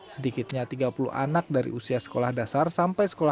sedikitnya tiga puluh anak dari usia sekolah dasar sampai sekolah